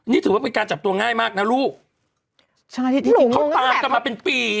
นี่ถือว่าเป็นการจับตัวง่ายมากน่ะลูกเขาตามกลับมาเป็นปี